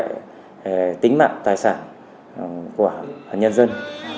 để tính mạng tài sản của nhân dân